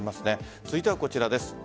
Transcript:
続いてはこちらです。